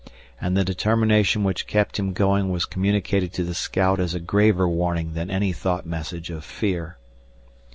And the determination which kept him going was communicated to the scout as a graver warning than any thought message of fear.